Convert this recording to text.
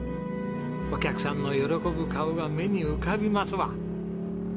お客さんの喜ぶ顔が目に浮かびますわ。